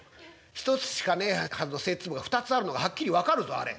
１つしかねえはずの賽っ粒が２つあるのがはっきり分かるぞあれ。